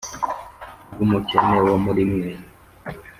rw umukene wo muri mwe